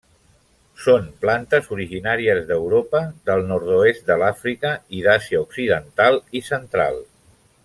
Són plantes originàries d'Europa, del nord-oest de l'Àfrica i d'Àsia occidental i central.